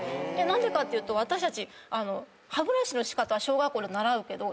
何でかっていうと私たち歯ブラシの仕方は小学校で習うけど。